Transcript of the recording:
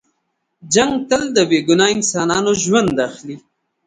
جنګ تل د بې ګناه انسانانو ژوند اخلي.